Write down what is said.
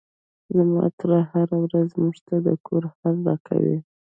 زما تره هره ورځ موږ ته د کور حال راکوي.